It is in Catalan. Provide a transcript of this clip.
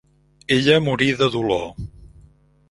Ella morí de dolor.